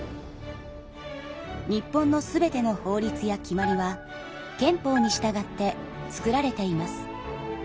日本の全ての法律や決まりは憲法に従って作られています。